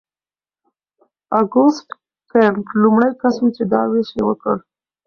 اګوست کنت لومړی کس و چې دا ویش یې وکړ.